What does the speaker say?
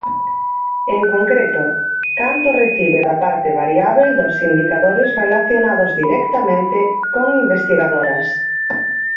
En concreto, canto recibe da parte variábel dos indicadores relacionados directamente con investigadoras.